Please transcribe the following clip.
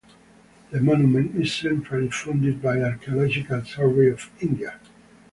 The monument is centrally funded by Archaeological Survey of India.